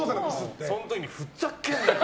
その時に、ふざけんなよ！